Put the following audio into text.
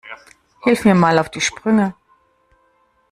Hilf mir mal auf die Sprünge.